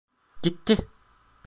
Gitti.